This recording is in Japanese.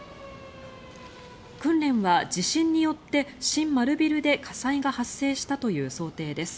訓練は地震によって新丸ビルで火災が発生したという想定です。